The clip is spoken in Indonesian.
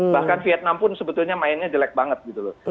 bahkan vietnam pun sebetulnya mainnya jelek banget gitu loh